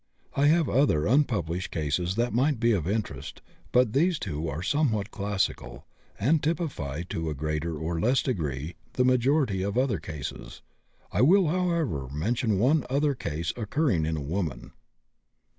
I have had other unpublished cases that might be of interest, but these two are somewhat classical, and typify to a greater or less degree the majority of other cases. I will, however, mention one other case, occurring in a woman.